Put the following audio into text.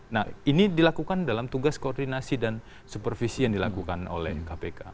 nah ini dilakukan dalam tugas koordinasi dan supervisi yang dilakukan oleh kpk